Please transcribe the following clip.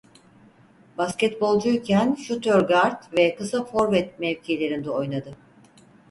Basketbolcuyken şutör gard ve kısa forvet mevkilerinde oynadı.